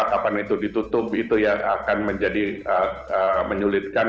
kapan itu ditutup itu yang akan menjadi menyulitkan